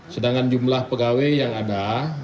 sedangkan jumlah pegawai yang ada